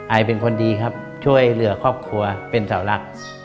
ไอเป็นคนดีครับช่วยเหลือครอบครัวเป็นสาวรัก